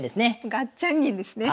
ガッチャン銀ですね。